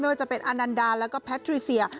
ว่าจะเป็นอานันดาแล้วก็แพทริเซีย